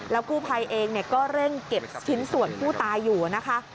กู้ภัยเองก็เร่งเก็บชิ้นส่วนผู้ตายอยู่นะคะ